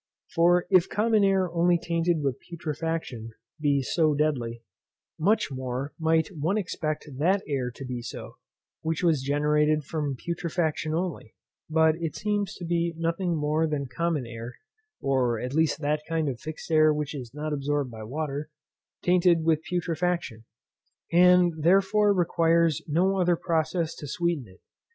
For if common air only tainted with putrefaction be so deadly, much more might one expect that air to be so, which was generated from putrefaction only; but it seems to be nothing more than common air (or at least that kind of fixed air which is not absorbed by water) tainted with putrefaction, and therefore requires no other process to sweeten it.